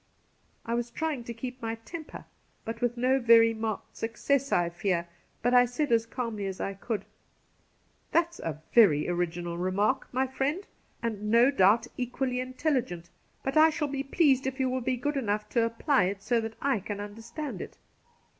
I was trying to keep my temper, but with no very marked success, I fear ; but I said as calmly as I could :' That's a very original remark, my friend, and no doubt equally intelligent, but I shall be pleased if you will be good enough to apply it so that / can understand it.'